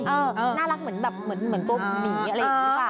เออน่ารักเหมือนแบบตัวหมีอะไรกันหรือเปล่า